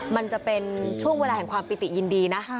มันจะเป็นช่วงเวลาแห่งความปิติยินดีนะ